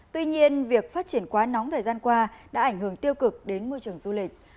tuy nhiên việc phát triển quá nóng thời gian qua đã ảnh hưởng tiêu cực đến môi trường du lịch